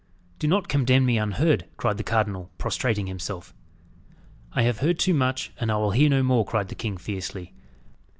"Do not condemn me unheard!" cried the cardinal, prostrating himself. "I have heard too much, and I will hear no more!" cried the king fiercely.